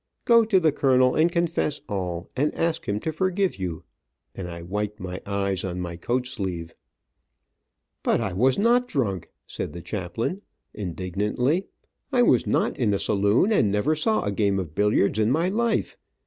Go to the colonel and confess all, and ask him to forgive you," and I wiped my eyes on my coat sleeve. "But I was not drunk," said the chaplain, indignantly. "I was not in a saloon, and never saw a game of billiards in my life.